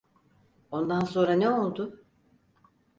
Ondan sonra ne oldu?